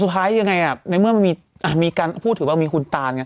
สุดท้ายยังไงในเมื่อมีการพูดว่ามีคุณตาน